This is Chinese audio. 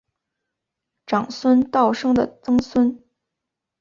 长孙道生的曾孙。